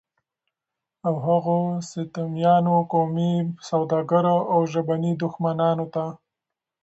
او هغو ستمیانو، قومي سوداګرو او ژبني دښمنانو ته